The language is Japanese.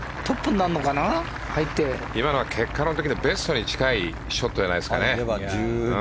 今のは、結果論的にはベストに近いショットじゃないですかね。